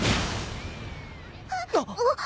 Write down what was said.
あっ！